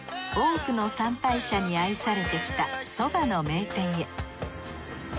多くの参拝者に愛されてきた蕎麦の名店へ。